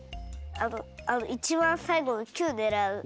あのいちばんさいごの９ねらう。